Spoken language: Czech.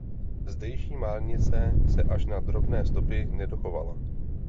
Zdejší márnice se až na drobné stopy nedochovala.